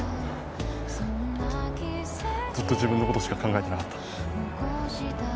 ずっと自分の事しか考えてなかった。